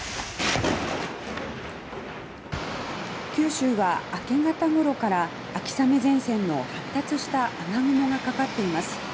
九州は明け方頃から秋雨前線の発達した雨雲がかかっています。